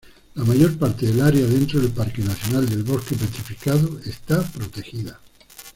La mayor parte del área dentro del parque nacional del Bosque Petrificado está protegida.